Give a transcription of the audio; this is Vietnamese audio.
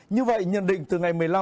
như vậy nhận định từ ngày một mươi năm